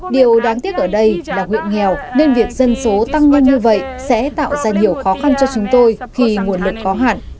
điều đáng tiếc ở đây là huyện nghèo nên việc dân số tăng ngân như vậy sẽ tạo ra nhiều khó khăn cho chúng tôi khi nguồn lực có hạn